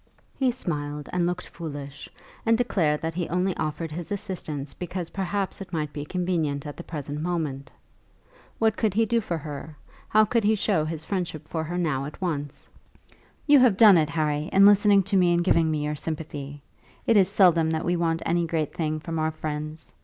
He smiled and looked foolish, and declared that he only offered his assistance because perhaps it might be convenient at the present moment. What could he do for her? How could he show his friendship for her now at once? "You have done it, Harry, in listening to me and giving me your sympathy. It is seldom that we want any great thing from our friends.